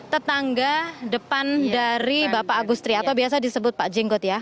tetangga depan dari bapak agustri atau biasa disebut pak jenggot ya